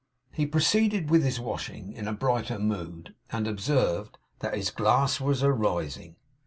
He proceeded with his washing in a brighter mood; and observed 'that his glass was arising.